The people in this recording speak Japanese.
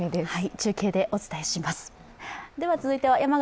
中継でお伝えします。